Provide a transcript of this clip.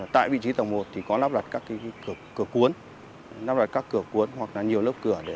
tại vị trí tầng một thì có lắp đặt các cửa cuốn lắp đặt các cửa cuốn hoặc là nhiều lớp cửa để